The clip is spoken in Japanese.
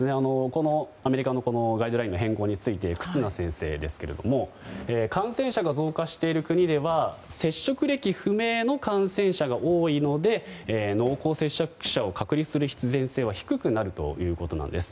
このアメリカのガイドラインの変更について忽那先生は感染者が増加している国では接触歴不明の感染者が多いので濃厚接触者を隔離する必然性は低くなるということなんです。